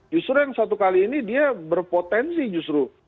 justru yang satu kali ini dia berpotensi justru